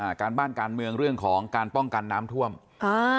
การบ้านการเมืองเรื่องของการป้องกันน้ำท่วมอ่า